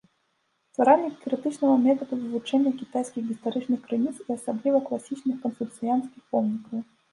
Стваральнік крытычнага метаду вывучэння кітайскіх гістарычных крыніц і асабліва класічных канфуцыянскіх помнікаў.